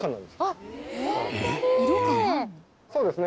そうですね。